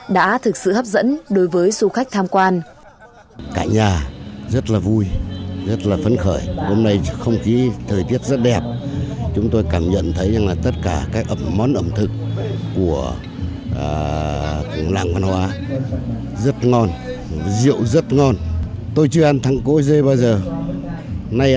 đã thực sự hấp dẫn đối với du khách tham quan